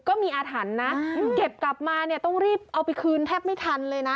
อาถรรพ์นะเก็บกลับมาเนี่ยต้องรีบเอาไปคืนแทบไม่ทันเลยนะ